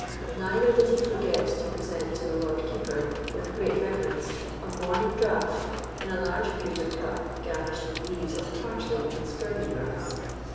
Neither did he forget to present to the Lord Keeper, with great reverence, a morning draught in a large pewter cup, garnished with leaves of parsley and scurvy grass.